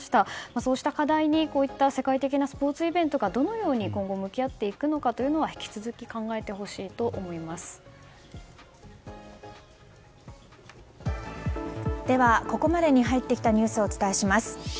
そうした課題にこうした世界的なスポーツイベントがどういうふうに今後向き合っていくのかというのは引き続きでは、ここまでに入ってきたニュースをお伝えします。